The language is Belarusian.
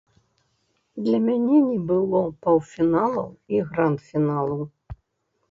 Для мяне не было паўфіналаў і гранд-фіналу.